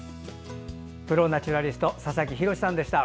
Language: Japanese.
プロ・ナチュラリストの佐々木洋さんでした。